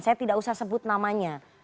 saya tidak usah sebut namanya